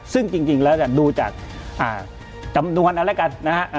ซึ่งจริงแล้วดูจากจำนวนอะไรกัน